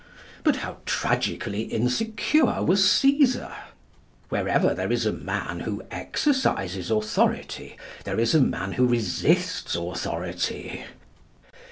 But how tragically insecure was Cæsar! Wherever there is a man who exercises authority, there is a man who resists authority.